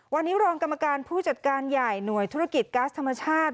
วันนี้รองกรรมการผู้จัดการใหญ่หน่วยธุรกิจก๊าซธรรมชาติ